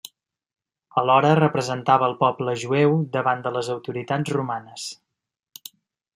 Alhora representava al poble jueu davant de les autoritats romanes.